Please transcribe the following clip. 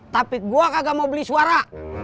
tapi gue kagak mau beli suara